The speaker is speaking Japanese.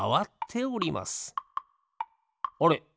あれ？